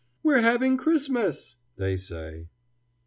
"We're having Christmas!" they say.